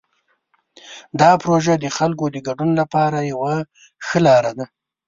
دا پروژه د خلکو د ګډون لپاره یوه ښه لاره ده.